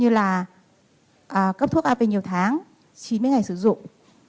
như là cấp thuốc arv nhiều tháng chín mấy ngày sử dụng